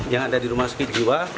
yang ada di rumah sakit jiwa